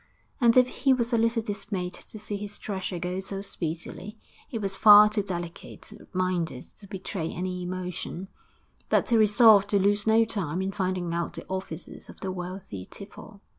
And if he was a little dismayed to see his treasure go so speedily, he was far too delicate minded to betray any emotion; but he resolved to lose no time in finding out the offices of the wealthy Tiefel.